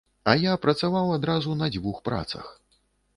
А я працаваў адразу на дзвюх працах.